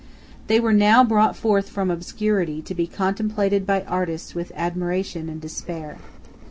They were now brought forth from obscurity to be contemplated by artists with admiration and despair.